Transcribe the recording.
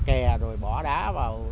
kè rồi bỏ đá vào